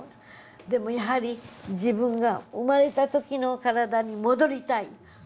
でもやはり自分が生まれた時の体に戻りたい。